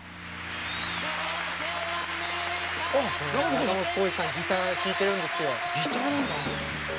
仲本工事さんギター弾いてるんですよ。